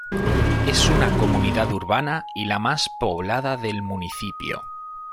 Es una comunidad urbana y la más poblada del municipio.